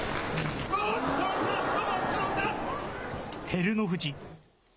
照ノ富士。